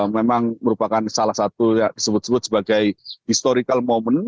memang merupakan salah satu yang disebut sebut sebagai historical moment